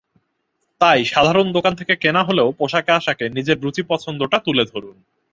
তাই সাধারণ দোকান থেকে কেনা হলেও পোশাকে-আশাকে নিজের রুচি পছন্দটা তুলে ধরুন।